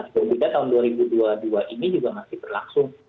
berbeda tahun dua ribu dua puluh dua ini juga masih berlangsung